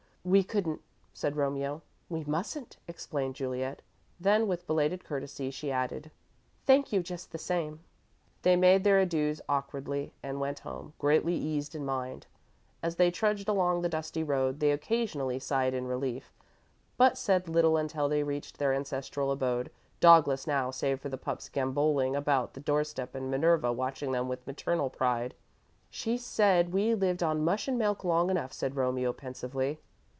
"We couldn't," said Romeo. "We mustn't," explained Juliet. Then, with belated courtesy, she added: "Thank you, just the same." They made their adieux awkwardly and went home, greatly eased in mind. As they trudged along the dusty road, they occasionally sighed in relief, but said little until they reached their ancestral abode, dogless now save for the pups gambolling about the doorstep and Minerva watching them with maternal pride. "She said we'd lived on mush and milk long enough," said Romeo, pensively.